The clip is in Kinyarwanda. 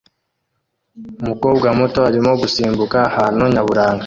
Umukobwa muto arimo gusimbuka ahantu nyaburanga